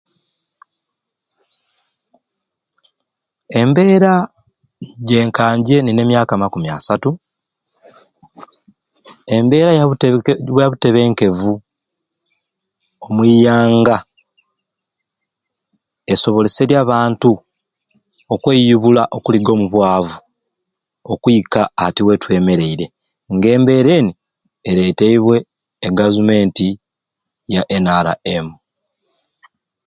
Embeera nje nka nje Nina emyaka amakumi asatu embeera yabutebenke yabutebenkevu omuianga esoboserye abantu okweibula okuluga omu bwavu okwika ati wetwemereire ng'embeer'eni ereteubwe e gazumunti ya NRM